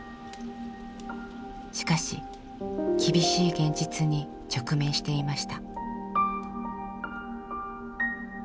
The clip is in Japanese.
しかし厳しい現実に直面していました。